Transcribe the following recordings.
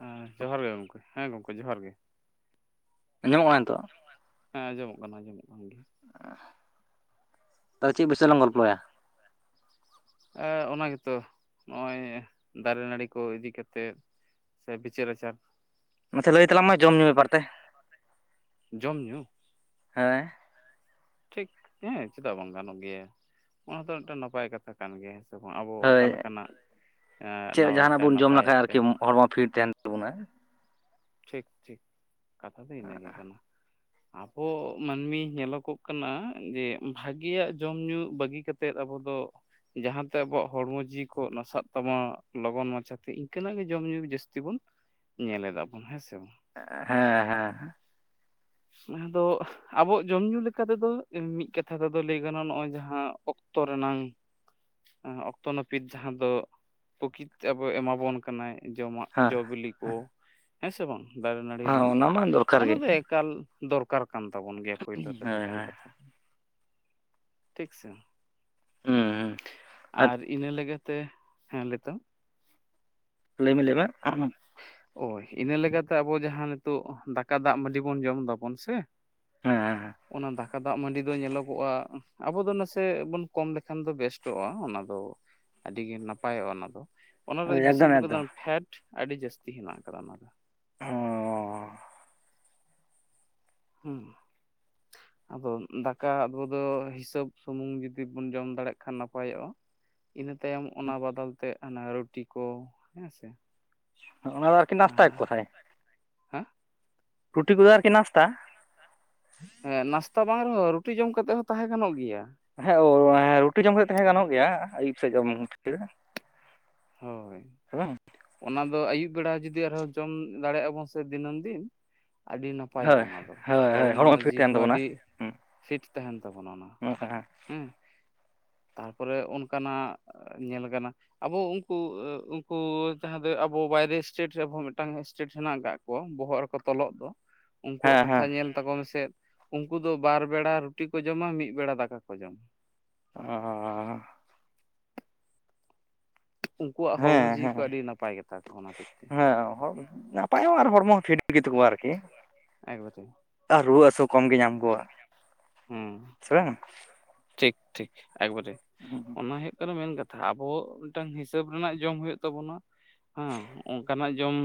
ᱦᱮᱸ ᱡᱚᱦᱟᱨ ᱜᱮ ᱜᱚᱢᱠᱮ, ᱦᱮᱸ ᱜᱚᱢᱠᱮ ᱡᱚᱦᱟᱨ ᱜᱮ᱾ ᱧᱟᱢᱚᱜᱼᱟ ᱠᱟᱱᱟ ᱱᱤᱛᱚᱜ? ᱦᱮᱸ ᱟᱸᱡᱚᱢᱚᱜ ᱠᱟᱱᱟ ᱟᱸᱡᱚᱢᱚᱜ ᱠᱟᱱ ᱜᱮ᱾ [unintelligible] ᱛᱚᱵᱮ ᱪᱮᱫ ᱵᱤᱥᱚᱭ ᱞᱟᱝ ᱜᱚᱞᱯᱚᱭᱟ? ᱮ ᱚᱱᱟ ᱜᱮᱛᱚ, ᱱᱚᱜᱼᱚᱭ ᱫᱟᱨᱮ ᱱᱟᱹᱲᱤ ᱠᱚ ᱤᱫᱤ ᱠᱟᱛᱮᱫ ᱥᱮ ᱵᱤᱪᱟᱹᱨ ᱟᱪᱟᱨ ᱢᱟᱥᱮ ᱞᱟᱹᱭ ᱛᱟᱞᱟᱝ ᱢᱮ ᱡᱚᱢ ᱞᱟᱹᱭ ᱧᱩ ᱛᱟᱞᱟᱝ ᱵᱮᱯᱟᱨ ᱢᱮ ᱛᱮ ᱡᱚᱢ ᱧᱩ ᱠᱟᱛᱮ ᱡᱚᱢ ᱧᱩ ᱦᱮᱸ, ᱴᱷᱤᱠ ᱦᱮᱸ, ᱪᱮᱫᱟᱜ ᱵᱟᱝ ᱜᱟᱱᱚᱜ ᱜᱮᱭᱟ? ᱚᱱᱟᱛᱚ ᱢᱤᱫᱴᱟᱝ ᱱᱟᱯᱟᱭ ᱠᱟᱛᱷᱟ ᱠᱟᱱ ᱜᱮᱭᱟ᱾ ᱟᱵᱚ ᱦᱳᱭ ᱚᱠᱟ ᱞᱮᱠᱟᱱᱟᱜ ᱪᱮᱫ ᱱᱟᱣᱟᱭ ᱡᱟᱦᱟᱱᱟᱜ ᱛᱮ ᱵᱚᱱ ᱡᱚᱢ ᱱᱟᱯᱟᱭᱟᱜ ᱞᱮᱠᱷᱟᱡ ᱛᱮ᱾ ᱟᱨᱠᱤ ᱦᱚᱲᱢᱚ ᱯᱷᱤᱴ ᱛᱟᱦᱮᱸᱱ ᱛᱟᱢᱟ᱾ ᱵᱚᱱᱟ ᱴᱷᱤᱠ ᱴᱷᱤᱠ ᱠᱟᱛᱷᱟ ᱫᱚ ᱤᱱᱟᱹᱜᱮ ᱠᱟᱱᱟ᱾ ᱟᱵᱚ ᱢᱟᱹᱱᱢᱤ ᱧᱮᱞᱚᱜᱚᱜ ᱠᱟᱱᱟ, ᱡᱮ ᱵᱷᱟᱹᱜᱮᱭᱟᱜ ᱡᱚᱢ ᱧᱩ ᱵᱟᱹᱜᱤ ᱠᱟᱛᱮᱫ ᱟᱵᱚ ᱫᱚ ᱡᱟᱦᱟᱸᱟᱛᱮ ᱟᱵᱚᱣᱟᱜ ᱦᱚᱲᱢᱚ ᱡᱤᱣᱤ ᱠᱚ ᱱᱟᱥᱟᱜ ᱛᱟᱢᱟ ᱞᱚᱜᱚᱱ ᱢᱟᱪᱷᱟᱛᱮ᱾ ᱤᱱᱠᱟᱹᱱᱟᱜ ᱜᱮ ᱡᱚᱢ ᱧᱩ ᱡᱟᱹᱥᱛᱤ ᱵᱚᱱ ᱧᱮᱞ ᱮᱫᱟ ᱵᱚᱱ ᱦᱮᱸ ᱥᱮ ᱵᱟᱝ? ᱦᱮᱸ ᱦᱮᱸ ᱦᱮᱸ [unintelligible] ᱱᱮᱥ ᱫᱚ ᱟᱵᱚᱣᱟᱜ ᱡᱚᱢ ᱧᱩ ᱞᱮᱠᱟᱛᱮᱫᱚ ᱢᱤᱫ ᱠᱟᱛᱷᱟ ᱞᱟᱹᱭ ᱜᱟᱱᱚᱜᱼᱟ ᱱᱚᱜᱼᱚᱭ ᱦᱟᱦᱟ ᱚᱠᱛᱚ ᱨᱮᱱᱟᱝ ᱚᱠᱛᱚ ᱱᱟᱹᱯᱤᱛ ᱡᱟᱦᱟᱸ ᱫᱚ ᱯᱨᱚᱠᱤᱛ ᱟᱵᱚ ᱮᱢᱟᱵᱚᱱ ᱠᱟᱱᱟᱭ ᱡᱚᱢᱟᱜ᱾ ᱡᱚ ᱦᱮᱸ ᱵᱤᱞᱤ ᱠᱚ, ᱦᱮᱸ ᱥᱮ ᱵᱟᱝ ᱫᱟᱨᱮ ᱱᱟᱹᱲᱤ ᱨᱮᱱᱟᱜ ᱚᱱᱟ ᱢᱟ ᱫᱚᱨᱠᱟᱨ ᱚᱱᱟ ᱜᱮ ᱫᱚ ᱮᱠᱟᱞ ᱫᱚᱨᱠᱟᱨ ᱠᱟᱱ ᱛᱟᱵᱚᱱ ᱜᱮᱭᱟ ᱯᱳᱭᱞᱳ ᱨᱮᱫᱚ ᱦᱮᱸ ᱢᱮᱱ ᱦᱮᱸ ᱠᱟᱛᱷᱟ ᱫᱚ᱾ ᱴᱷᱤᱠ ᱥᱮ, ᱦᱩᱸ ᱦᱩᱸ ᱟᱨ ᱤᱱᱟᱹ ᱞᱟᱹᱜᱤᱫ ᱾ ᱛᱮ ᱦᱮᱸ ᱞᱮᱛᱚᱜ ᱞᱟᱹᱭᱢᱮ ᱞᱟᱹᱭ ᱢᱮ [unintelligible] ᱳᱭ ᱤᱱᱟᱹ ᱞᱮᱠᱟᱛᱮ ᱟᱵᱚ ᱡᱟᱦᱟᱸ ᱱᱤᱛᱳᱜ ᱫᱟᱠᱟ ᱫᱟᱜ ᱢᱟᱹᱰᱤ ᱵᱚᱱ ᱡᱚᱢ ᱫᱟᱵᱚᱱ ᱥᱮ᱾ ᱦᱮᱸ ᱦᱮᱸᱮᱸ, ᱚᱱᱟ ᱫᱟᱠᱟ ᱫᱟᱜ ᱢᱟᱹᱰᱤ ᱫᱚ ᱧᱮᱞᱚᱜᱚᱜᱼᱟ, ᱟᱵᱚ ᱫᱚ ᱱᱟᱥᱮ ᱵᱚᱱ ᱠᱚᱢ ᱞᱮᱠᱷᱟᱱ ᱫᱚ ᱵᱮᱥᱴᱚᱜᱼᱟ ᱚᱱᱟ ᱫᱚ᱾ ᱟᱹᱰᱤ ᱜᱮ ᱱᱟᱯᱟᱭᱚᱜᱼᱟ ᱚᱱᱟ ᱫᱚ᱾ ᱚᱱᱟᱨᱮ ᱵᱮᱥᱤ ᱮᱠᱫᱚᱢ ᱮᱠᱫᱚᱢ ᱯᱷᱮᱰ ᱟᱹᱰᱤ ᱡᱟᱹᱥᱛᱤ ᱦᱮᱱᱟᱜ ᱟᱠᱟᱫᱟ ᱚᱱᱟ ᱫᱚ᱾ ᱚ ᱦᱩᱸ ᱟᱫᱚ ᱫᱟᱠᱟ ᱟᱵᱚ ᱫᱚ ᱦᱤᱥᱟᱹᱵ ᱥᱩᱢᱩᱝ ᱡᱩᱫᱤ ᱵᱚᱱ ᱡᱚᱢ ᱫᱟᱲᱮᱭᱟᱜ ᱠᱷᱟᱱ ᱱᱟᱯᱟᱭᱚᱜᱼᱟ᱾ ᱤᱱᱟᱹ ᱛᱟᱭᱚᱢ ᱚᱱᱟ ᱵᱟᱚᱫᱚᱞ ᱛᱮ ᱚᱱᱟ ᱨᱩᱴᱤ ᱠᱚ ᱦᱮᱸ ᱥᱮ᱾ ᱚᱱᱟ ᱫᱚ ᱟᱨᱠᱤ ᱱᱟᱥ ᱛᱟᱭ ᱠᱚ ᱛᱟᱦᱮᱸᱟᱦᱮ, ᱦᱮᱸ ᱨᱩᱴᱤ ᱠᱚᱫᱚ ᱟᱨᱠᱤ ᱱᱟᱥᱛᱟ᱾ ᱦᱮᱸ ᱱᱟᱥᱛᱟ ᱵᱟᱝ ᱨᱮᱦᱚᱸ ᱨᱩᱴᱤ ᱡᱚᱢ ᱠᱟᱛᱮᱫ ᱦᱚᱸ ᱛᱟᱦᱮᱸ ᱜᱟᱱᱚᱜ ᱜᱮᱭᱟ᱾ ᱦᱮᱸ [unintelligible] ᱨᱩᱴᱤ ᱡᱚᱢ ᱠᱟᱛᱮ ᱛᱟᱦᱮᱸ ᱜᱟᱱᱚᱜ ᱜᱮᱭᱟ ᱟᱭᱩᱵ ᱥᱮᱫ ᱡᱚᱢ [inaudible] ᱦᱚᱭ᱾ ᱦᱮᱵᱟᱝ? ᱚᱱᱟ ᱫᱚ ᱟᱹᱭᱩᱵ ᱵᱮᱲᱟ ᱡᱩᱫᱤ ᱟᱨᱦᱚᱸ ᱡᱚᱢ ᱫᱟᱲᱮᱜ ᱟᱵᱚᱱ ᱥᱮ ᱫᱤᱱᱟᱹᱢ ᱫᱤᱱ, ᱟᱹᱰᱤ ᱱᱟᱯᱟᱭᱚᱜᱼᱟ ᱦᱳᱭ ᱚᱱᱟ ᱫᱚ, ᱦᱳᱭ ᱦᱳᱭ ᱦᱚᱲᱢᱚ ᱯᱷᱤᱴ ᱡᱤᱣᱤ ᱛᱟᱦᱮᱱ ᱦᱚᱸ ᱛᱟᱵᱚᱱᱟ ᱟᱹᱰᱤ ᱦᱮᱸ ᱯᱷᱤᱴ ᱛᱟᱦᱮᱱ ᱛᱟᱵᱚᱱᱟ ᱚᱱᱟ᱾ [unintelligible] ᱦᱮᱸ ᱛᱟᱨᱯᱚᱨᱮ ᱚᱱᱠᱟᱱᱟᱜ ᱧᱮᱞ ᱠᱟᱱᱟ ᱟᱵᱚ ᱩᱝ ᱩᱱᱠᱩ ᱩᱱᱠᱩ ᱡᱟᱦᱟᱸ ᱫᱚ ᱟᱵᱚ ᱵᱟᱭᱨᱮ ᱥᱴᱮᱴ ᱨᱮᱦᱚᱸ ᱢᱤᱫᱴᱟᱝ ᱥᱴᱮᱴ ᱦᱮᱱᱟᱜ ᱟᱠᱟᱫ [unintelligible] ᱵᱚᱦᱚᱜ ᱨᱮᱠᱚ ᱛᱚᱞᱚᱜ ᱫᱚ, ᱩᱱᱠᱩᱣᱟᱜ ᱦᱮᱸ ᱠᱟᱛᱷᱟ ᱦᱮᱸ ᱧᱮᱞ ᱛᱟᱠᱚ ᱢᱮᱥᱮᱫ ᱩᱱᱠᱩ ᱫᱚ ᱵᱟᱨ ᱵᱮᱲᱟ ᱨᱩᱴᱤ ᱠᱚ ᱡᱚᱢᱟ ᱢᱤᱫ ᱵᱮᱲᱟ ᱫᱟᱠᱟ ᱠᱚ ᱡᱚᱢᱟ᱾ ᱚᱸᱻ᱾ ᱩᱱᱠᱩᱣᱟᱜ ᱦᱚᱲᱢᱚ ᱦᱮᱸ ᱡᱤᱣᱤ ᱠᱚ ᱟᱹᱰᱤ ᱱᱟᱯᱟᱭ ᱜᱮ ᱛᱟᱠᱚᱣᱟ ᱚᱱᱟ ᱦᱚᱛᱮᱡ ᱛᱮ᱾ [unintelligible] ᱯᱟᱭ ᱦᱚᱸ ᱟᱨ ᱦᱚᱲᱢᱚ ᱯᱷᱤᱴ ᱜᱮᱛᱟ ᱠᱚᱣᱟ ᱟᱨᱠᱤ ᱮᱠᱵᱟᱨᱮ ᱟᱨ ᱨᱩᱣᱟᱹ ᱦᱟᱹᱥᱩ ᱠᱚᱢ ᱜᱮ ᱧᱟᱢ ᱠᱚᱣᱟ᱾ ᱦᱮᱸ ᱥᱮ ᱵᱟᱝᱟ? ᱴᱷᱤᱠ ᱴᱷᱤᱠ ᱮᱠᱵᱟᱨᱮ᱾ ᱦᱩᱸ ᱚᱱᱟ ᱦᱩᱭᱩᱜ ᱠᱟᱱᱟ ᱢᱮᱹᱱ ᱠᱟᱛᱷᱟ ᱟᱵᱚ ᱢᱤᱫᱴᱟᱝ ᱦᱤᱥᱟᱹᱵ ᱨᱮᱱᱟᱜ ᱡᱚᱢ ᱦᱩᱭᱩᱜ ᱛᱟᱵᱚᱱᱟ᱾ ᱦᱚᱸ ᱚᱱᱠᱟᱱᱟᱜ ᱡᱚᱢ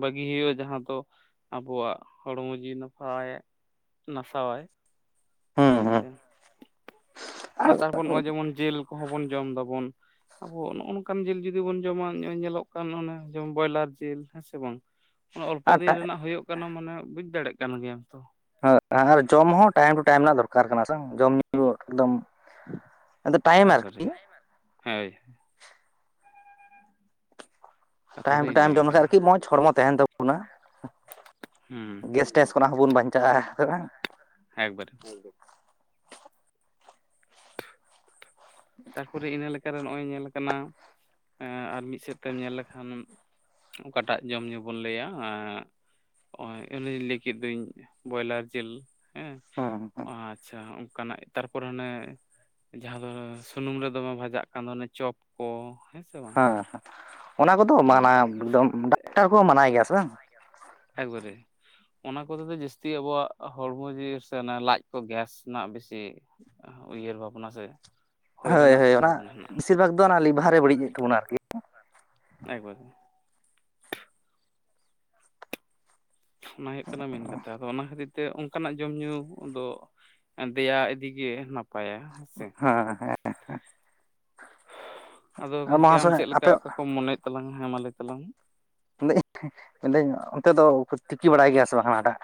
ᱵᱟᱹᱜᱤ ᱦᱩᱭᱩᱜᱼᱟ ᱡᱟᱦᱟᱸ ᱫᱚ ᱟᱵᱚᱣᱟᱜ ᱦᱚᱲᱢᱚ ᱡᱤᱣᱤ ᱱᱟᱯᱟᱭ ᱱᱟᱥᱟᱣᱟᱭ᱾ ᱴᱷᱤᱠ ᱦᱩᱸ ᱥᱮ, ᱟᱨ ᱛᱟᱨᱯᱚᱨ ᱱᱚᱜᱼᱚᱭ ᱡᱮᱢᱚᱱ ᱡᱤᱞ ᱠᱚᱦᱚᱸ ᱵᱚᱱ ᱡᱚᱢ ᱫᱟᱵᱚᱱ᱾ ᱟᱵᱚ ᱱᱚᱜᱼᱚ ᱱᱚᱝᱠᱟᱱ ᱡᱤᱞ ᱡᱩᱫᱤ ᱵᱚᱱ ᱡᱚᱢᱟ ᱱᱚᱜ-ᱚᱭ ᱧᱮᱞᱚᱜ ᱠᱟᱱ ᱚᱱᱮ ᱡᱮᱢᱚᱱ ᱵᱚᱭᱞᱟᱨ ᱡᱤᱞ ᱦᱮᱸ ᱥᱮ ᱵᱟᱝ? ᱚᱱᱮ ᱚᱞᱯᱚ ᱟᱨ ᱫᱤᱱ ᱨᱮᱱᱟᱜ ᱦᱳᱭᱳᱜ ᱠᱟᱱᱟ ᱢᱟᱱᱮ ᱵᱩᱡ ᱫᱟᱲᱮᱭᱟᱜ ᱠᱟᱱ ᱜᱮᱭᱟᱢ ᱛᱚ᱾ [unintelligible] ᱟᱨ ᱡᱚᱢ ᱦᱚᱸ ᱴᱟᱭᱤᱢ ᱴᱩ ᱴᱟᱭᱤᱢ ᱨᱮᱱᱟᱜ ᱫᱚᱨᱠᱟᱨ ᱠᱟᱱᱟ ᱥᱮᱟᱝ ᱡᱚᱢ ᱧᱩ ᱮᱠᱫᱚᱢ ᱟᱫᱚ ᱴᱟᱭᱤᱢ ᱟᱨᱠᱤ ᱮᱠᱵᱟᱨᱮ ᱦᱮᱸ ᱠᱟᱛᱷᱟ ᱴᱟᱭᱤᱢ ᱫᱚ ᱴᱩ ᱴᱟᱭᱤᱢ ᱤᱱᱟᱹᱜᱮ ᱡᱚᱢ ᱞᱮᱠᱷᱟᱡ ᱠᱟᱱᱟ ᱟᱨᱠᱤ ᱢᱚᱸᱡᱽ ᱦᱚᱲᱢᱚ ᱛᱟᱦᱮᱱ ᱛᱟᱵᱚᱱᱟ᱾ ᱦᱩᱸ ᱜᱮᱥ ᱴᱮᱥ ᱠᱷᱚᱱᱟᱜ ᱦᱚᱸᱵᱚᱱ ᱵᱟᱧᱪᱟᱜᱼᱟ, ᱦᱮᱸ ᱥᱮ ᱵᱟᱝ? ᱦᱮᱸ ᱮᱠᱵᱟᱨᱮ᱾ ᱦᱮᱸ ᱢᱟ ᱟᱨ ᱢᱤᱫ ᱥᱮᱫ ᱛᱮᱢ ᱧᱮᱞ ᱞᱮᱠᱷᱟᱱ ᱚᱠᱟᱴᱟᱜ ᱡᱚᱢ ᱧᱩ ᱵᱚᱱ ᱞᱟᱹᱭᱟ ᱮᱸᱜ ᱦᱚᱜ-ᱭ ᱟᱹᱞᱤᱧ ᱞᱟᱹᱭ ᱠᱮᱫ ᱫᱚᱧ ᱵᱚᱭᱞᱟᱨ ᱡᱤᱞ ᱮᱸ ᱦᱚᱸ ᱦᱚᱸᱦᱚ ᱟᱪᱪᱷᱟ ᱦᱚᱸᱜᱼᱚᱝᱠᱟᱱᱟᱜ ᱛᱟᱨᱯᱚᱨᱮ ᱚᱱᱮ ᱡᱟᱦᱟᱸ ᱫᱚ ᱥᱩᱱᱩᱢ ᱨᱮ ᱫᱚᱢᱮ ᱵᱷᱟᱡᱟᱜ ᱠᱟᱱ ᱫᱚ ᱚᱱᱮ ᱪᱚᱯ ᱠᱚ ᱦᱮᱸᱥᱮ? ᱦᱮᱸ ᱦᱮᱸ ᱚᱱᱟ ᱠᱚᱫᱚ ᱢᱟᱱᱟ ᱫᱚᱢ ᱰᱟᱠᱴᱟᱨ ᱠᱚᱦᱚᱸ ᱢᱟᱱᱟᱭ ᱜᱮᱭᱟ ᱥᱮ ᱵᱟᱝ? [unintelligible] ᱮᱠᱵᱟᱨᱮ᱾ ᱚᱱᱟ ᱠᱚᱛᱮ ᱫᱚ ᱡᱟᱹᱥᱛᱤ ᱟᱵᱚᱣᱟᱜ ᱦᱚᱲᱢᱚ ᱡᱤᱣᱤ ᱥᱮ ᱚᱱᱮ ᱞᱟᱡ ᱠᱚ ᱜᱮᱥ ᱨᱮᱱᱟᱜ ᱵᱮᱥᱤ ᱩᱭᱦᱟᱹᱨ ᱵᱷᱟᱵᱽᱱᱟ ᱥᱮ ᱦᱩᱭ ᱦᱳᱭ ᱨᱮᱱᱟᱜ ᱦᱳᱭ ᱚᱱᱟ ᱥᱚᱢᱵᱷᱚᱵᱚᱱᱟ ᱦᱮᱱᱟᱜᱼᱟ ᱵᱮᱥᱤᱨ ᱵᱷᱟᱜᱽ ᱫᱚ ᱚᱱᱟ ᱞᱤᱵᱷᱟᱨ ᱮ ᱵᱟᱹᱲᱤᱡ ᱮᱫ ᱛᱟᱵᱚᱱᱟ ᱟᱨᱠᱤ᱾ ᱮᱠᱵᱟᱨᱮ᱾ ᱚᱱᱟ ᱦᱩᱭᱩᱜ ᱠᱟᱱᱟ ᱢᱮᱹᱱ ᱠᱟᱛᱷᱟ ᱟᱫᱚ ᱚᱱᱟ ᱠᱷᱟᱹᱛᱤᱨ ᱛᱮ ᱚᱝᱠᱟᱱᱟᱜ ᱡᱚᱢ ᱧᱩ ᱫᱚ ᱫᱮᱭᱟ ᱤᱫᱤᱜᱮ ᱱᱟᱯᱟᱭᱟ᱾ ᱦᱮᱸᱥᱮ ᱦᱚᱸ ᱦᱮᱸ᱾ ᱟᱫᱚ ᱜᱚᱝᱠᱮ ᱟᱢ ᱢᱚᱦᱟᱥᱚᱭ ᱪᱮᱫ ᱞᱮᱠᱟ ᱟᱯᱮ ᱚᱠᱟ ᱠᱚᱢ ᱢᱚᱱᱮᱭᱮᱫ ᱛᱟᱞᱟᱝ ᱦᱮ ᱢᱟ ᱞᱟᱹᱭ ᱛᱟᱞᱟᱝ ᱢᱮ᱾ [inaudible] ᱢᱮᱱᱫᱟᱹᱧ ᱚᱱᱛᱮ ᱫᱚ ᱠᱚ ᱛᱤᱠᱤ ᱵᱟᱲᱟᱭ ᱜᱮᱭᱟ ᱥᱮ ᱵᱟᱝ ᱦᱟᱱᱟᱴᱟᱜ?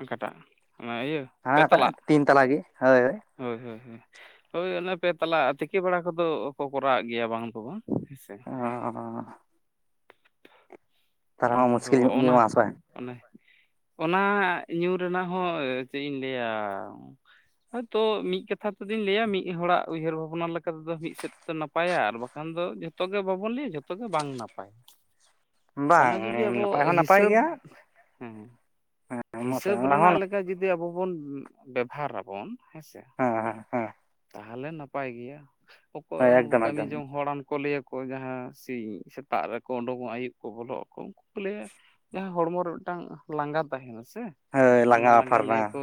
ᱚᱠᱟᱴᱟᱜ ᱚᱱᱟ ᱤᱭᱟᱹ ᱯᱮ ᱦᱟᱱᱟᱴᱟᱜ ᱛᱟᱞᱟᱜ ᱛᱤᱱ ᱛᱟᱞ ᱜᱮ, ᱦᱳᱭ ᱦᱳᱭ ᱦᱳᱭ ᱦᱳᱭ᱾ ᱦᱳᱭ ᱚᱱᱮ ᱯᱮ ᱛᱟᱞᱟ ᱛᱤᱠᱤ ᱵᱟᱲᱟ ᱠᱚᱫᱚ ᱠᱚ ᱠᱚᱨᱟᱣᱮᱫ ᱜᱮᱭᱟ ᱵᱟᱝ ᱠᱚ ᱵᱟᱝ ᱦᱮᱸᱥᱮ᱾ ᱟᱨ [unintelligible] ᱢᱟ ᱛᱚ ᱢᱩᱥᱠᱤᱞ ᱧᱚᱜ ᱜᱮ ᱚᱱᱟ ᱢᱟ ᱥᱮ ᱵᱟᱝ ᱚᱱᱮ ᱚᱱᱟ ᱧᱩ ᱨᱮᱱᱟᱜ ᱦᱚᱸ ᱪᱮᱫ ᱤᱧ ᱞᱟᱹᱭᱟ ᱦᱳᱭᱛᱚ ᱢᱤᱫ ᱠᱟᱛᱷᱟ ᱛᱮᱫᱚᱧ ᱞᱟᱹᱭᱟ ᱢᱤᱫ ᱦᱚᱲᱟᱜ ᱩᱭᱦᱟᱹᱨ ᱵᱷᱟᱵᱱᱟ ᱞᱮᱠᱟᱛᱮᱫᱚ ᱢᱤᱫ ᱥᱮᱫ ᱛᱚ ᱱᱟᱯᱟᱭᱟ ᱟᱨ ᱵᱟᱠᱷᱟᱱ ᱫᱚ ᱡᱷᱚᱛᱚ ᱜᱮ ᱵᱟᱵᱚᱱ ᱞᱟᱹᱭᱟ ᱡᱷᱚᱛᱚ ᱜᱮ ᱵᱟᱝ ᱱᱟᱯᱟᱭᱟ᱾ ᱚᱱᱟ ᱵᱟᱝ ᱡᱩᱫᱤ ᱟᱵᱚ ᱱᱟᱯᱟᱭ ᱦᱚᱸ ᱦᱤᱥᱟᱹᱵ ᱦᱮᱸ ᱦᱮᱸ᱾ ᱦᱤᱥᱟᱹᱵ ᱨᱮᱱᱟᱜ ᱞᱮᱠᱟ ᱡᱩᱫᱤ ᱟᱵᱚ ᱵᱚᱱ ᱵᱮᱵᱷᱟᱨᱟᱵᱚᱱ ᱦᱮᱸᱥᱮ, ᱦᱮᱸ ᱦᱮᱸ ᱛᱟᱦᱚᱞᱮ ᱱᱟᱯᱟᱭ ᱜᱮᱭᱟ ᱚᱠᱚᱭ ᱦᱳᱭ ᱩᱱᱠᱩ ᱮᱠᱫᱚᱢ ᱠᱟᱹᱢᱤ ᱮᱠᱫᱚᱢ ᱡᱚᱝ ᱦᱚᱲᱟᱱ ᱠᱚ ᱞᱟᱹᱭᱟ ᱠᱚ ᱠᱚ ᱡᱟᱦᱟᱸ ᱥᱤᱧ ᱥᱮᱛᱟᱜ ᱨᱮᱠᱚ ᱩᱰᱩᱠᱚᱜᱼᱟ, ᱟᱹᱭᱩᱵ ᱠᱚ ᱵᱚᱞᱚᱜ ᱟᱠᱚ ᱩᱱᱠᱩ ᱠᱚ ᱞᱟᱭᱟ ᱡᱟᱦᱟᱸ ᱦᱚᱲᱢᱚ ᱨᱮ ᱢᱤᱫᱴᱟᱝ ᱞᱟᱸᱜᱟ ᱛᱟᱸᱦᱮᱱᱟ ᱥᱮ? ᱦᱳᱭ ᱚᱱᱟ ᱞᱟᱸᱜᱟ ᱯᱷᱟᱨᱱᱟ ᱞᱤᱭᱟᱹ ᱠᱚ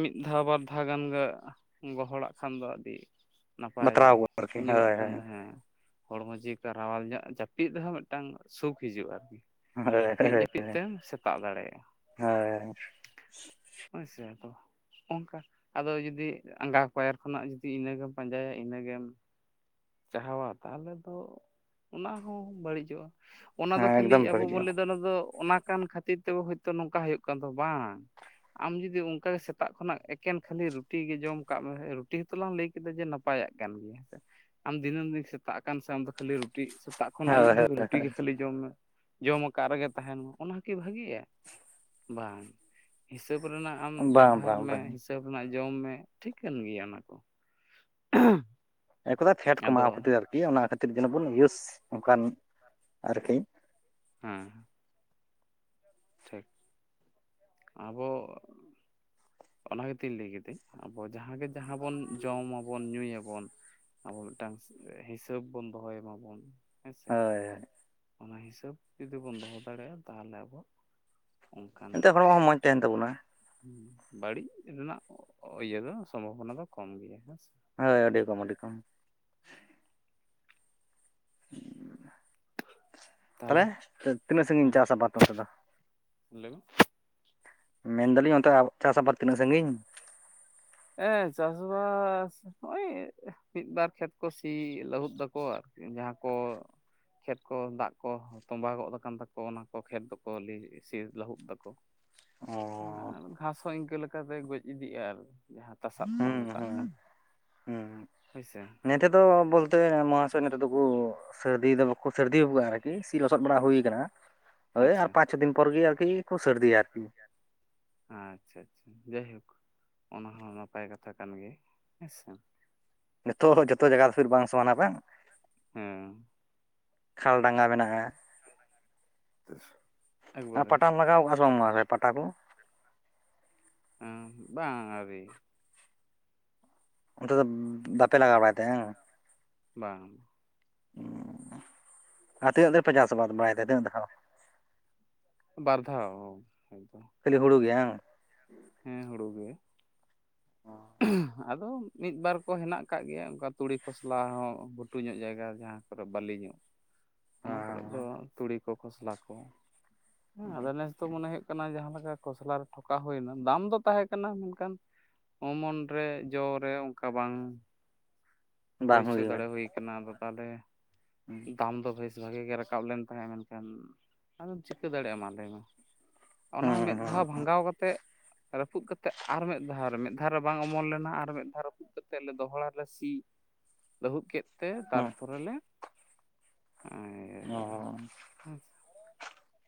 ᱢᱤᱫ ᱫᱷᱟᱣ ᱵᱟᱨ ᱫᱷᱟᱣ ᱜᱟᱱ ᱜᱮ ᱜᱚᱦᱚᱲᱟᱜ ᱠᱷᱟᱱ ᱫᱚ ᱟᱹᱰᱤ ᱱᱟᱯᱟᱭ, ᱵᱟᱛᱨᱟᱣ ᱜᱚᱫ ᱟᱨᱠᱤ ᱧᱩᱣᱟᱜ ᱦᱳᱭ ᱠᱷᱟᱱ ᱫᱚ ᱦᱮᱸ᱾ ᱦᱚᱲᱢᱚ ᱡᱤᱣᱤᱠᱚ ᱨᱟᱣᱟᱞ ᱧᱚᱜ, ᱡᱟᱹᱯᱤᱫ ᱨᱮᱦᱚᱸ ᱢᱤᱫᱴᱟᱝ ᱥᱩᱠ ᱦᱤᱡᱩᱜᱼᱟ ᱟᱨᱠᱤ ᱾ ᱦᱳᱭ ᱢᱤᱫ ᱦᱳᱭ ᱡᱟᱹᱯᱤᱫ ᱛᱮᱢ ᱥᱮᱛᱟᱜ ᱫᱟᱲᱮᱭᱟᱜᱼᱟ᱾ ᱦᱳᱭ ᱦᱳᱭᱥᱮ ᱟᱫᱚ ᱚᱱᱠᱟ, ᱟᱫᱚ ᱡᱩᱫᱤ ᱟᱸᱜᱟ ᱯᱟᱭᱟᱨ ᱠᱷᱚᱱᱟᱜ ᱡᱩᱫᱤ ᱤᱱᱟᱹᱜᱮᱢ ᱯᱟᱸᱡᱟᱭᱟ, ᱤᱱᱟᱹᱜᱮᱢ ᱪᱟᱦᱟᱣᱟ ᱛᱟᱦᱚᱞᱮ ᱫᱚ ᱚᱱᱟ ᱦᱚᱸ ᱵᱟᱹᱲᱤᱡᱚᱜᱼᱟ᱾ ᱚᱱᱟ ᱫᱚ ᱦᱮᱸ ᱠᱷᱟᱹᱞᱤ ᱮᱠᱫᱚᱢ ᱟᱵᱚ ᱵᱚᱱ ᱵᱟᱹᱲᱤᱡᱚᱜᱼᱟ ᱞᱟᱹᱭᱫᱟ ᱚᱱᱟ ᱫᱚ ᱚᱱᱟ ᱠᱟᱱ ᱠᱷᱟᱹᱛᱤᱨ ᱛᱮᱜᱮ ᱛᱚ ᱱᱚᱝᱠᱟ ᱦᱩᱭᱩᱜ ᱠᱟᱱ ᱫᱚ ᱵᱟᱝ, ᱟᱢ ᱡᱩᱫᱤ ᱚᱱᱠᱟ ᱥᱮᱛᱟᱜ ᱠᱷᱚᱱᱟᱜ ᱮᱠᱮᱱ ᱠᱷᱟᱹᱞᱤ ᱨᱩᱴᱤ ᱜᱮ ᱡᱚᱢ ᱠᱟᱜ ᱢᱮ, ᱨᱩᱴᱤ ᱦᱚᱸᱛᱚ ᱞᱟᱝ ᱞᱟᱹᱭ ᱠᱮᱫᱟ ᱡᱮ ᱱᱟᱯᱟᱭᱟᱜ ᱠᱟᱱ ᱜᱮᱭᱟ ᱦᱮᱸ ᱥᱮ᱾ ᱟᱢ ᱫᱤᱱᱟᱹᱢ ᱫᱤᱱ ᱥᱮᱛᱟᱜ ᱠᱟᱱ ᱥᱮ ᱟᱢᱫᱚ ᱠᱷᱟᱹᱞᱤ ᱨᱩᱴᱤ, ᱥᱮᱛᱟᱜ ᱠᱷᱚᱱ ᱟᱹᱭᱩᱵ ᱦᱳᱭ ᱫᱷᱟᱹᱵᱤᱡ ᱦᱳᱭ ᱨᱩᱴᱤ ᱦᱳᱭ ᱜᱮ ᱠᱷᱟᱹᱞᱤ ᱡᱚᱢ ᱢᱮ, ᱡᱚᱢ ᱟᱠᱟᱫ ᱨᱮᱜᱮ ᱛᱟᱸᱦᱮᱱ ᱢᱟ ᱚᱱᱟ ᱠᱤ ᱵᱷᱟᱹᱜᱤᱭᱟ ᱵᱟᱝ ᱦᱤᱥᱟᱹᱵ ᱨᱮᱱᱟᱜ ᱟᱢ ᱵᱟᱝ ᱵᱮᱵᱚᱦᱟᱨ ᱵᱟᱝ ᱢᱮ ᱵᱟᱝ ᱦᱤᱥᱟᱹᱵᱽ-ᱼ ᱦᱤᱥᱟᱹᱵ ᱨᱮᱱᱟᱜ ᱡᱚᱢ ᱢᱮ ᱴᱷᱤᱠᱟᱹᱱ ᱜᱮᱭᱟ ᱚᱱᱟ ᱠᱚ᱾ ᱮᱠᱚᱫᱟ ᱯᱷᱮᱰ ᱠᱚ ᱟᱫᱚ ᱢᱟᱣ ᱠᱷᱟᱹᱛᱤᱨ ᱟᱨᱠᱤ ᱚᱱᱟ ᱠᱷᱟᱹᱛᱤᱨ ᱡᱮᱱᱚ ᱵᱚᱱ ᱤᱭᱩᱥ ᱚᱱᱠᱟᱱ ᱟᱨᱠᱤ ᱦᱮᱸ᱾ ᱴᱷᱤᱠ ᱟᱵᱚ ᱚᱱᱟ ᱜᱮᱛᱤᱧ ᱞᱟᱹᱭ ᱠᱮᱫᱟᱹᱧ ᱟᱵᱚ ᱡᱟᱸᱦᱟ ᱜᱮ ᱡᱟᱸᱦᱟ ᱵᱚᱱ ᱡᱚᱢ ᱟᱵᱚᱱ ᱧᱩᱭᱟᱵᱚᱱ, ᱟᱵᱚ ᱢᱤᱫᱴᱟᱝ ᱦᱤᱥᱟᱹᱵ ᱵᱚᱱ ᱫᱚᱦᱚᱭ ᱢᱟᱵᱚᱱ ᱦᱮᱸᱥᱮ᱾ ᱦᱳᱭ ᱚᱱᱟ ᱦᱤᱥᱟᱹᱵ ᱡᱩᱫᱤ ᱵᱚᱱ ᱫᱚᱦᱚ ᱫᱟᱲᱮᱜᱼᱟ ᱾ᱛᱟᱦᱚᱞᱮ ᱟᱵᱚ ᱚᱱᱠᱟᱱ ᱮᱱᱛᱮ ᱦᱚᱲᱢᱚ ᱦᱚᱸ ᱢᱚᱸᱡᱽ ᱛᱟᱦᱮᱱ ᱛᱟᱵᱚᱱᱟ ᱵᱟᱹᱲᱤᱡ ᱨᱮᱱᱟᱜ ᱤᱭᱟᱹ ᱫᱚ ᱥᱚᱢᱵᱷᱚᱵᱚᱱᱟ ᱫᱚ ᱠᱚᱢ ᱜᱮᱭᱟ, ᱦᱮᱸᱥ ᱦᱳᱭ ᱟᱹᱰᱤ ᱠᱚᱢ ᱟᱹᱰᱤ ᱠᱚᱢ᱾ ᱛᱟᱦᱚᱞᱮ ᱛᱟᱦᱟᱞᱮ ᱛᱤᱱᱟᱹᱜ ᱥᱟᱺᱜᱤᱧ ᱦᱮᱸ ᱪᱟᱥ ᱟᱵᱟᱫ ᱱᱚᱛᱮ ᱫᱚ? ᱞᱟᱹᱭ ᱢᱮ ᱢᱮᱱ ᱫᱟᱞᱤᱧ ᱚᱱᱛᱮ ᱟ ᱪᱟᱥ ᱟᱵᱟᱫ ᱛᱤᱱᱟᱹᱜ ᱥᱟᱺᱜᱤᱧ? ᱦᱮᱸ ᱪᱟᱥᱵᱟᱥ ᱱᱚᱜᱼᱚᱭ ᱢᱤᱫ ᱵᱟᱨ ᱠᱷᱮᱛ ᱠᱚ ᱥᱤ ᱞᱟᱹᱦᱩᱫ ᱫᱟᱠᱚ ᱟᱨᱠᱤ ᱡᱟᱦᱟᱸ ᱠᱚ ᱠᱷᱮᱛ ᱠᱚ ᱫᱟᱜ ᱠᱚ ᱛᱚᱸᱵᱟ ᱜᱚᱫ ᱟᱠᱟᱱ ᱛᱟᱠᱚ ᱚᱱᱟ ᱠᱚ ᱠᱷᱮᱛ ᱫᱚᱠᱚ ᱞᱟᱹ ᱥᱤᱨ ᱞᱟᱹᱦᱩᱫ ᱫᱟᱠᱚ᱾ ᱚ ᱟᱨ ᱜᱷᱟᱥ ᱦᱚᱸ ᱤᱱᱠᱟᱹ ᱞᱮᱠᱟᱛᱮ ᱜᱚᱡ ᱤᱫᱤᱜᱼᱟ, ᱟᱨ ᱡᱟᱦᱟᱸ ᱛᱟᱥᱟᱫᱽ ᱵᱚᱱ ᱦᱩᱸ ᱢᱮᱛᱟᱜ ᱦᱩᱸ ᱠᱟᱱ ᱦᱳᱭᱥᱮ᱾ ᱱᱤᱛᱚᱜ ᱫᱚ ᱵᱳᱞ ᱛᱟᱹ ᱱᱚᱣᱟ ᱥᱮᱫ ᱱᱮᱛᱚᱜ ᱫᱚᱠᱚ ᱥᱟᱹᱨᱫᱤ ᱫᱚ ᱵᱟᱠᱚ ᱥᱟᱹᱨᱫᱤ ᱟᱨᱠᱤ ᱥᱤ ᱞᱚᱥᱚᱫ ᱵᱟᱲᱟ ᱦᱩᱭᱩ ᱟᱠᱟᱱᱟ᱾ ᱦᱳᱭ ᱟᱨ ᱟᱪᱪᱷᱟ ᱯᱟᱸᱪ ᱪᱷᱚ ᱫᱤᱱ ᱯᱚᱨ ᱜᱮ ᱟᱨᱠᱤ ᱠᱚ ᱥᱟᱨᱫᱤᱭᱟ ᱟᱨᱠᱤ᱾ ᱟᱪᱪᱷᱟ ᱟᱪᱪᱷᱟ ᱡᱟᱭᱦᱳᱠ ᱚᱱᱟ ᱦᱚᱸ ᱱᱟᱯᱟᱭ ᱠᱟᱛᱷᱟ ᱠᱟᱱ ᱜᱮᱭᱟ ᱦᱮᱸᱥᱮ ᱱᱤᱛᱚᱜ ᱦᱚᱸ ᱡᱚᱛᱚ ᱡᱟᱭᱜᱟ ᱫᱚ ᱯᱷᱤᱨ ᱵᱟᱝ ᱥᱚᱢᱟᱱᱟ ᱵᱟᱝᱮ ᱦᱮᱸ ᱠᱷᱟᱞ ᱰᱟᱸᱜᱟ ᱢᱮᱱᱟᱜᱼᱟ ᱟᱨ ᱮᱠᱵᱟᱨᱮ ᱯᱟᱴᱟᱱ ᱞᱟᱜᱟᱣᱼᱟ [unintelligible] ᱚᱸ ᱵᱟᱝ ᱟᱹᱣᱨᱤ᱾ ᱚᱱᱛᱮ ᱫᱚ ᱵᱟᱯᱮ ᱞᱟᱜᱟᱣ ᱵᱟᱲᱟᱭ ᱛᱮ ᱦᱟᱝ? ᱵᱟᱝ ᱟᱨ ᱛᱤᱱᱟᱹᱜ ᱫᱤᱱ ᱯᱮ ᱪᱟᱥ ᱵᱟᱫ ᱵᱟᱲᱟᱭ ᱫᱟ ᱛᱤᱱᱟᱹᱜ ᱫᱷᱟᱣ ᱵᱟᱨ ᱫᱷᱟᱣ ᱮᱠᱫᱚᱢ ᱠᱷᱟᱹᱞᱤ ᱦᱩᱲᱩ ᱜᱮ ᱦᱟᱝ? ᱦᱮᱸ ᱦᱩᱲᱩ ᱜᱮ ᱾ ᱟᱫᱚ ᱢᱤᱫ ᱵᱟᱨ ᱠᱚ ᱦᱮᱱᱟᱜ ᱟᱠᱟᱫ ᱜᱮᱭᱟ ᱚᱱᱠᱟ ᱛᱩᱲᱤ ᱠᱷᱚᱥᱞᱟ ᱦᱚᱸ ᱜᱷᱩᱴᱩ ᱧᱚᱜ ᱡᱟᱭᱜᱟ ᱡᱟᱦᱟᱸ ᱠᱚᱨᱮ ᱵᱟᱹᱞᱤᱧᱚᱜ ᱚᱱᱟ ᱠᱚᱨᱮ ᱫᱚ ᱚ ᱛᱩᱲᱤ ᱠᱚ ᱠᱷᱚᱥᱞᱟ ᱠᱚ ᱦᱮᱸ ᱟᱫᱚ ᱱᱮᱥ ᱫᱚ ᱢᱚᱱᱮ ᱦᱩᱭᱩᱜ ᱠᱟᱱᱟ ᱡᱟᱦᱟᱸ ᱞᱮᱠᱟ ᱠᱷᱚᱥᱞᱟ ᱨᱮ ᱴᱷᱚᱠᱟᱣ ᱦᱩᱭᱱᱟ ᱫᱟᱢ ᱫᱚ ᱛᱟᱦᱮᱸ ᱠᱟᱱᱟ ᱢᱮᱱᱠᱷᱟᱱ ᱚᱢᱚᱱ ᱨᱮ ᱡᱚ ᱨᱮ ᱚᱱᱠᱟ ᱵᱟᱝ ᱦᱩᱭ ᱵᱟᱝ ᱦᱚᱪᱚ ᱞᱮᱱᱟ ᱫᱟᱲᱮ ᱦᱩᱭ ᱠᱟᱱᱟ ᱟᱫᱚ ᱛᱟᱦᱚᱞᱮ [inaudible] ᱫᱟᱢ ᱫᱚ ᱵᱮᱥ ᱵᱷᱟᱜᱮ ᱜᱮ ᱨᱟᱠᱟᱵ ᱞᱮᱱ ᱛᱟᱦᱮᱸᱫ ᱢᱮᱱᱠᱷᱟᱱ ᱟᱫᱚᱢ ᱪᱤᱠᱟᱹ ᱫᱟᱲᱮᱭᱟᱜ ᱢᱟ ᱞᱟᱹᱭ ᱢᱮ ᱚᱱᱟ ᱦᱩᱸ ᱦᱚᱸ ᱢᱤᱫ ᱦᱩᱸ ᱫᱷᱟᱣ ᱵᱷᱟᱸᱜᱟᱣ ᱠᱟᱛᱮᱜ ᱨᱟᱹᱯᱩᱫ ᱠᱟᱛᱮᱜ ᱟᱨ ᱢᱤᱫ ᱫᱷᱟᱣ ᱢᱤᱫ ᱫᱷᱟᱣ ᱨᱮ ᱵᱟᱝ ᱚᱢᱚᱱ ᱞᱮᱱᱟ ᱟᱨ ᱢᱤᱫ ᱫᱷᱟᱣ ᱨᱟᱹᱯᱩᱫ ᱠᱟᱛᱮᱜ ᱫᱚᱦᱲᱟᱞᱮ ᱥᱤ [inaudible] ᱞᱟᱹᱦᱩᱫ ᱠᱮᱫ ᱛᱮ ᱦᱩᱸ ᱛᱟᱨᱯᱚᱨ ᱞᱮ ᱤᱭᱟᱹ ᱦᱩᱸ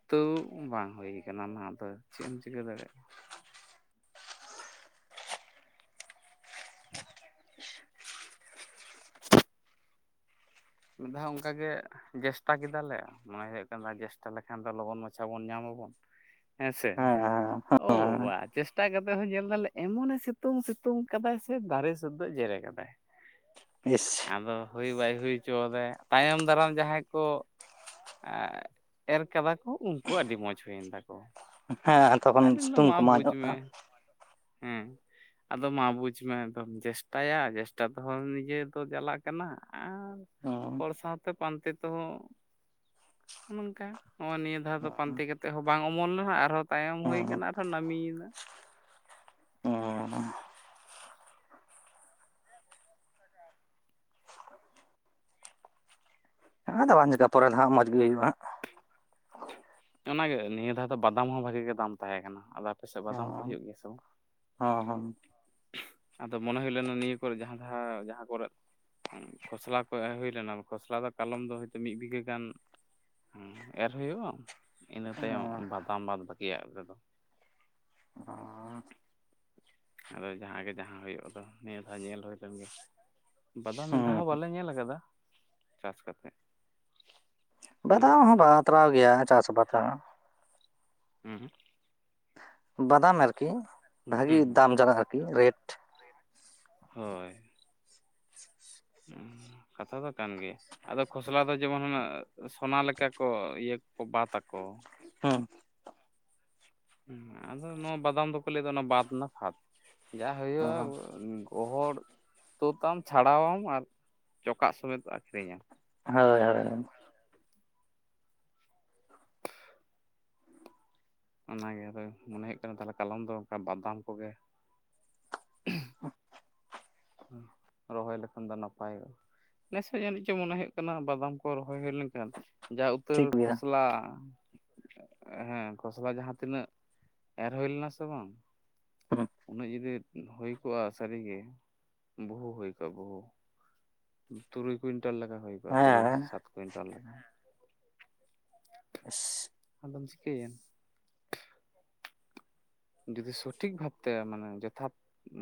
ᱛᱚ ᱵᱟᱝ ᱦᱩᱭ ᱠᱟᱱᱟ ᱚᱱᱟ ᱟᱫᱚ ᱪᱮᱫ ᱮᱢ ᱪᱤᱠᱟᱹ ᱫᱟᱲᱮᱭᱟᱜᱼᱟ [inaudible] ᱢᱤᱫ ᱫᱷᱟᱣ ᱚᱱᱠᱟᱜ ᱜᱮ ᱡᱮᱥᱴᱟ ᱠᱮᱫᱟᱞᱮ ᱢᱚᱱᱮ ᱦᱩᱭᱩᱜ ᱠᱟᱱᱟ ᱡᱮᱥᱴᱟ ᱞᱮᱠᱷᱟᱱ ᱫᱚ ᱞᱚᱜᱚᱱ ᱢᱟᱪᱷᱟ ᱵᱚᱱ ᱧᱟᱢ ᱟᱵᱚᱱ ᱦᱮᱸ ᱥᱮ ᱦᱮᱸ ᱳ ᱦᱮᱸ ᱵᱟᱵᱟ, ᱪᱮᱥᱴᱟ ᱠᱟᱛᱮᱜ ᱦᱚᱸ ᱧᱮᱞ ᱫᱟᱞᱮ ᱮᱢᱚᱱᱮ ᱥᱤᱛᱩᱝ ᱥᱤᱛᱩᱝ ᱠᱟᱫᱟᱭ ᱥᱮ ᱫᱟᱨᱮ ᱥᱩᱫᱽᱫᱷᱟᱸᱭ ᱡᱮᱨᱮᱫ ᱠᱟᱫᱟᱭ [inaudible] [inaudible] ᱟᱫᱚ ᱦᱩᱭ ᱵᱟᱭ ᱦᱩᱭ ᱦᱚᱪᱚᱫᱟᱭ ᱛᱟᱭᱚᱢ ᱫᱟᱨᱟᱢ ᱡᱟᱦᱟᱸᱭ ᱠᱚ ᱮᱨ ᱠᱟᱫᱟ ᱠᱚ ᱩᱱᱠᱩ ᱟᱜ ᱟᱹᱰᱤ ᱢᱚᱸᱡᱽ ᱦᱩᱭᱮᱱ ᱛᱟᱠᱚ ᱦᱮᱸ ᱛᱚᱠᱷᱚᱱ ᱥᱤᱛᱩᱝ ᱠᱚᱢᱟᱣ ᱧᱚᱜᱼᱟ ᱢᱮ ᱦᱮᱸ ᱟᱫᱚ ᱢᱟ ᱵᱩᱡᱽ ᱢᱮ ᱮᱠᱫᱚᱢ ᱪᱮᱥᱴᱟᱭᱟ ᱪᱮᱥᱴᱟ ᱛᱚᱦᱚᱸ ᱱᱤᱡᱮ ᱫᱚ ᱡᱟᱞᱟ ᱠᱟᱱᱟ ᱟᱨ ᱦᱩᱸ ᱦᱚᱲ ᱥᱟᱶᱛᱮ ᱯᱟᱱᱛᱮ ᱛᱮᱦᱚᱸ ᱱᱚᱝᱠᱟ ᱦᱚᱸᱜᱼᱚᱭ ᱱᱤᱭᱟᱹ ᱟᱷᱟ ᱫᱚ ᱯᱟᱱᱛᱮ ᱠᱟᱛᱮᱜ ᱦᱚᱸ ᱵᱟᱝ ᱚᱢᱚᱱ ᱞᱮᱱᱟ ᱟᱨᱦᱚᱸ ᱛᱟᱭᱚᱢ ᱦᱩᱭᱟᱜ ᱦᱩᱸ ᱟᱨᱦᱚᱸ ᱱᱟᱢᱤᱭᱮᱱᱟ ᱦᱮᱸ ᱟᱫᱚ ᱵᱟᱝ ᱪᱮᱠᱟ-ᱟ ᱯᱚᱨᱮ ᱫᱚ ᱦᱟᱸᱜ ᱢᱚᱸᱡᱽ ᱜᱮ ᱦᱩᱭᱩᱜᱼᱟ ᱦᱟᱸᱜ ᱚᱱᱟᱜᱮ ᱱᱤᱭᱟᱹ ᱫᱷᱟᱣ ᱫᱚ ᱵᱟᱫᱟᱢ ᱦᱚᱸ ᱵᱷᱟᱜᱤ ᱜᱮ ᱫᱟᱢ ᱛᱟᱦᱮᱸ ᱠᱟᱱᱟ ᱟᱫᱚ ᱟᱯᱟᱥᱮᱫ ᱵᱟᱫᱟᱢ ᱠᱚ ᱦᱩᱭᱩᱜ ᱜᱮᱭᱟ ᱥᱮ ᱵᱟᱝ ᱦᱟᱸᱜ ᱦᱚᱸ ᱟᱫᱚ ᱢᱚᱱᱮ ᱦᱩᱭ ᱞᱮᱱᱟ ᱱᱤᱭᱟᱹ ᱠᱚ ᱨᱮ ᱡᱟᱸᱦᱟ ᱫᱷᱟᱹᱣ ᱡᱟᱸᱦᱟ ᱠᱚ ᱨᱮ ᱠᱷᱚᱥᱞᱟ ᱠᱚ ᱮᱨ ᱦᱩᱭ ᱞᱮᱱᱟ ᱠᱷᱚᱥᱞᱟ ᱫᱚ ᱠᱟᱞᱚᱢ ᱫᱚ ᱦᱚᱭᱛᱳ ᱢᱤᱫ ᱵᱤᱜᱷᱟᱹ ᱜᱟᱱ ᱦᱮᱸ ᱮᱨ ᱦᱩᱭᱩᱜᱼᱟ ᱤᱱᱟᱹ ᱛᱟᱭᱚᱢ ᱦᱚᱸ ᱵᱟᱫᱟᱢ ᱵᱟᱫᱽ ᱵᱟᱠᱤᱭᱟᱜ ᱨᱮᱫᱚ ᱚ ᱟᱫᱚ ᱡᱟᱦᱟᱸ ᱜᱮ ᱡᱟᱦᱟᱸ ᱦᱩᱭᱩᱜᱼᱟ ᱫᱚ ᱱᱤᱭᱟᱹ ᱫᱷᱟᱣ ᱧᱮᱞ ᱦᱩᱭ ᱞᱮᱱ ᱜᱮ ᱵᱟᱫᱟᱢ ᱢᱤᱫ ᱫᱷᱟᱣ ᱦᱩᱸ ᱦᱚᱸ ᱵᱟᱞᱮ ᱧᱮᱞ ᱠᱟᱫᱟ ᱪᱟᱥ ᱠᱟᱛᱮᱜ᱾ ᱵᱟᱫᱟᱢ ᱦᱚᱸ ᱵᱟᱛᱨᱟᱣ ᱜᱮᱭᱟ ᱪᱟᱥ ᱟᱵᱟᱫᱽ ᱦᱮᱸ ᱵᱟᱫᱟᱢ ᱟᱨᱠᱤ ᱦᱩᱸ ᱵᱷᱟᱜᱤ ᱦᱩᱸ ᱫᱟᱢ ᱡᱟᱜᱟ ᱟᱨᱠᱤ ᱨᱮᱴ ᱦᱳᱭ ᱠᱟᱛᱷᱟ ᱫᱚ ᱠᱟᱱ ᱜᱮᱭᱟ ᱟᱫᱚ ᱠᱷᱚᱥᱞᱟ ᱫᱚ ᱡᱮᱢᱚᱱ [unintelligible] ᱥᱚᱱᱟ ᱞᱮᱠᱟ ᱠᱚ ᱤᱭᱟᱹ ᱠᱚ ᱵᱟᱛ ᱟᱠᱚ ᱦᱮᱸ ᱟᱫᱚ ᱱᱚᱣᱟ ᱵᱟᱫᱟᱢ ᱫᱚ ᱠᱚ ᱞᱟᱹᱭ ᱫᱟ ᱚᱱᱟ ᱵᱟᱫ ᱱᱟ ᱯᱷᱟᱫᱽ ᱡᱟ ᱦᱩᱭᱩᱜᱼᱟ ᱜᱚᱦᱚᱲ ᱛᱳᱫ ᱟᱢ ᱪᱷᱟᱲᱟᱣ ᱟᱢ ᱟᱨ ᱪᱚᱠᱟᱜ ᱥᱩᱢᱤᱛ ᱟᱹᱠᱷᱨᱤᱧ ᱟᱢ ᱦᱳᱭ ᱦᱳᱭ ᱚᱱᱟ ᱜᱮ ᱟᱫᱚ ᱢᱚᱱᱮ ᱦᱳᱭᱳᱜ ᱠᱟᱱᱟ ᱛᱟᱦᱚᱞᱮ ᱠᱟᱞᱚᱢ ᱫᱚ ᱚᱱᱠᱟ ᱵᱟᱫᱟᱢ ᱠᱚᱜᱮ [inaudible] ᱨᱚᱦᱚᱭ ᱞᱮᱠᱷᱟᱱ ᱫᱚ ᱱᱟᱯᱟᱭᱚᱜᱼᱟ ᱱᱮᱥ ᱦᱚᱸ ᱡᱟᱹᱱᱤᱡ ᱪᱚᱝ ᱢᱚᱱᱮ ᱦᱳᱭᱳᱜ ᱠᱟᱱᱟ ᱵᱟᱫᱟᱢ ᱠᱚ ᱨᱚᱦᱚᱭ ᱦᱳᱭ ᱞᱮᱱᱠᱷᱟᱱ ᱡᱟ ᱩᱛᱟᱹᱨ ᱴᱷᱤᱠ ᱜᱮᱭᱟ ᱠᱷᱚᱥᱞᱟ ᱦᱮᱸ ᱠᱷᱚᱥᱞᱟ ᱡᱟᱦᱟᱸ ᱛᱤᱱᱟᱹᱜ ᱮᱨ ᱦᱳᱭ ᱞᱮᱱᱟ ᱥᱮ ᱵᱟᱝ ᱦᱩᱸ ᱩᱱᱟᱹᱜ ᱡᱩᱫᱤ ᱦᱳᱭ ᱠᱚᱜᱼᱟ ᱥᱟᱹᱨᱤ ᱜᱮ ᱵᱩᱦᱩ ᱦᱩᱭ ᱠᱚᱜᱼᱟ ᱵᱩᱦᱩ ᱛᱩᱨᱩᱭ ᱠᱩᱭᱤᱱᱴᱟᱞ ᱞᱮᱠᱟ ᱦᱳᱭ ᱠᱚᱜᱼᱟ ᱛᱩᱨᱩᱭ ᱦᱮᱸ ᱥᱟᱛ ᱠᱩᱭᱤᱱᱴᱟᱞ ᱞᱮᱠᱟ [unintelligible] ᱟᱫᱚᱢ ᱪᱤᱠᱟᱹᱭ-ᱟ ᱡᱩᱫᱤ ᱥᱚᱴᱷᱤᱠ ᱵᱷᱟᱵ ᱛᱮ ᱢᱟᱱᱮ ᱡᱚᱛᱷᱟᱛ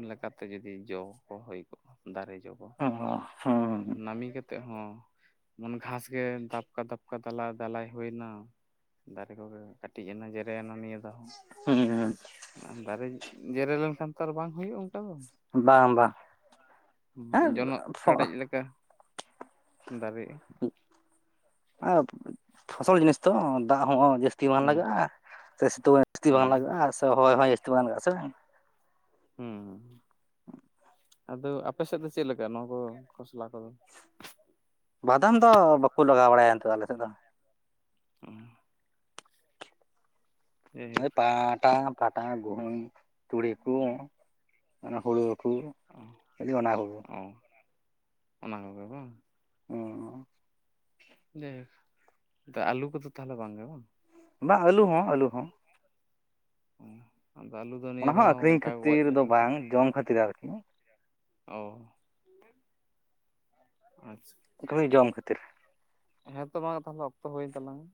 ᱞᱮᱠᱟ ᱛᱮ ᱡᱩᱫᱤ ᱡᱚ ᱠᱚ ᱦᱳᱭ ᱠᱚᱜᱼᱟ ᱫᱟᱨᱮ ᱡᱚ ᱠᱚ [unintelligible] ᱱᱟᱹᱢᱤ ᱠᱟᱛᱮᱜ ᱦᱚᱸ ᱩᱱ ᱜᱷᱟᱥ ᱜᱮ ᱫᱷᱟᱯᱠᱟ ᱫᱷᱟᱯᱠᱟ ᱫᱟᱞᱟᱭ ᱫᱟᱞᱟᱭ ᱦᱳᱭᱻᱱᱟ ᱫᱟᱨᱮ ᱠᱚ ᱜᱮ ᱠᱟᱹᱴᱤᱡ ᱮᱱᱟ ᱡᱮᱨᱮ ᱮᱱᱟ ᱱᱤᱭᱟᱹ ᱫᱷᱟᱹᱣ ᱦᱩᱸ ᱦᱩᱸ ᱫᱟᱨᱮ ᱡᱮᱨᱮ ᱞᱮᱱᱠᱷᱟᱱ ᱛᱚ ᱟᱨ ᱵᱟᱝ ᱦᱳᱭᱳᱜᱼᱟ ᱵᱟᱝ ᱵᱟᱝ ᱦᱮᱸ [unintelligible] ᱡᱚᱱᱚᱜ ᱠᱷᱟᱰᱮᱡ ᱞᱮᱠ ᱞᱮᱠᱟ ᱫᱟᱨᱮᱜ-ᱟ ᱟᱨ ᱯᱷᱚᱥᱚᱞ ᱡᱤᱱᱤᱥ ᱛᱚ ᱫᱟᱜ ᱦᱚᱸ ᱡᱟᱹᱥᱛᱤ [unintelligible] ᱵᱟᱝ ᱦᱩᱸ ᱞᱟᱜᱟᱜᱼᱟ ᱥᱮ ᱥᱤᱛᱩᱝ ᱦᱚᱸ ᱡᱟᱹᱥᱛᱤ ᱵᱟᱝ ᱦᱩᱸ ᱞᱟᱜᱟᱜᱼᱟ ᱥᱮ ᱦᱚᱭ ᱦᱚᱸ ᱡᱟᱹᱥᱛᱤ ᱵᱟᱝ ᱞᱟᱜᱼᱟ ᱥᱮ ᱦᱩᱸ ᱟᱫᱚ ᱟᱯᱮ ᱥᱮᱫ ᱫᱚ ᱪᱮᱫ ᱞᱮᱠᱟ ᱱᱚᱣᱟ ᱠᱚ ᱠᱷᱚᱥᱞᱟ ᱠᱚ ᱫᱚ ᱵᱟᱫᱟᱢ ᱫᱚ ᱵᱟᱠᱚ ᱞᱟᱜᱟᱣ ᱵᱟᱲᱟᱭ-ᱟ ᱱᱤᱛᱚᱜ ᱫᱚ ᱟᱞᱮ ᱥᱮᱫ ᱫᱚ ᱡᱟᱭᱦᱳᱠ [unintelligible] ᱯᱟᱴᱟ ᱜᱩᱦᱩᱢ ᱛᱩᱲᱤ ᱠᱩ ᱚᱱᱟ ᱦᱩᱲᱩ ᱠᱩ ᱚ ᱚ ᱚᱱᱟ ᱠᱚᱜᱮ ᱵᱟᱝ ᱚ ᱡᱟᱭ ᱦᱳᱠ ᱟᱞᱩ ᱠᱚ ᱫᱚ ᱛᱟᱦᱚᱞᱮ ᱵᱟᱝ ᱜᱮ ᱵᱟᱝ ᱵᱟᱝ ᱟᱹᱞᱩ ᱦᱚᱸ ᱟᱹᱞᱩ ᱦᱚᱸ [inaudible] ᱫᱚ ᱱᱤᱭᱟᱹ ᱚᱱᱟ ᱦᱚᱸ ᱫᱷᱟᱣ ᱟᱠᱷᱨᱤᱧ ᱚᱱᱠᱟ ᱜᱚᱡ ᱠᱷᱟᱹᱛᱤᱨ ᱫᱚ ᱞᱮᱠᱟ ᱠᱚ ᱵᱟᱝ ᱡᱚᱢ ᱠᱷᱟᱹᱛᱤᱨ ᱟᱨ ᱠᱤ ᱚ ᱟᱪᱷᱟ [unintelligible] ᱡᱚᱢ ᱠᱷᱟᱹᱛᱤᱨ ᱦᱮᱸ ᱛᱚ ᱢᱟ ᱛᱟᱞᱦᱮ ᱚᱠᱛᱚ ᱦᱳᱭ ᱮᱱ ᱛᱟᱞᱟᱝᱼᱟ